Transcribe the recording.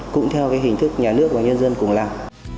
cũng theo cái hình thức nhà nước và nhân dân cùng làm